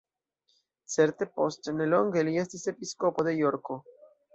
Certe post nelonge li estis episkopo de Jorko.